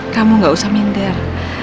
kamu nggak usah minder